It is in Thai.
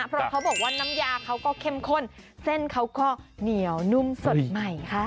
เพราะเขาบอกว่าน้ำยาเขาก็เข้มข้นเส้นเขาก็เหนียวนุ่มสดใหม่ค่ะ